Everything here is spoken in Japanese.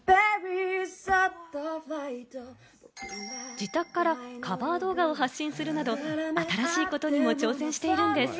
自宅からカバー動画を発信するなど新しいことにも挑戦しているんです。